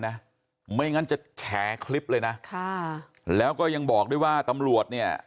นะไม่งั้นจะแฉคลิปเลยนะค่ะแล้วก็ยังบอกด้วยว่าตำรวจเนี่ย